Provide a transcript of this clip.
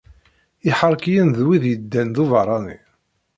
Iḥerkiyen d wid yeddan d ubeṛṛani.